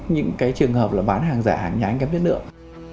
những cái trường hợp là bán hàng giả hàng nhái kém tiết lượng